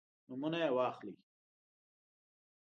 نومونه یې واخلئ.